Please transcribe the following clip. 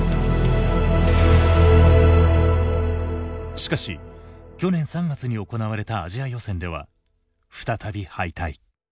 しかし去年３月に行われたアジア予選では再び敗退。